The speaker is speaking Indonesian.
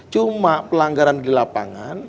cuma pelanggaran di lapangan